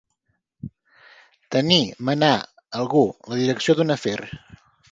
Tenir, menar, algú, la direcció d'un afer.